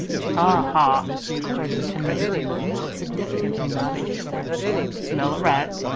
"Ah ha!" cried the chimney sweeper, significantly nodding his head, "smell a rat!